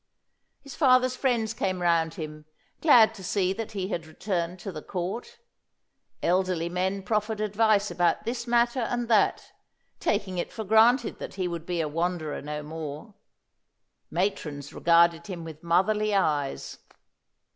His father's friends came round him, glad to see that he had returned to the Court; elderly men proffered advice about this matter and that, taking it for granted that he would be a wanderer no more; matrons regarded him with motherly eyes.